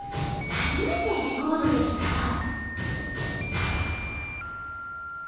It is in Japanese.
初めてレコードで聴くそう。